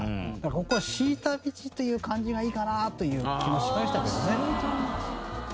ここは「敷いた道」という感じがいいかなという気もしましたけどね。